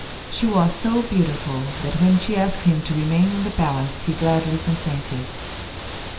She was so beautiful that when she asked him to remain in the palace he gladly consented.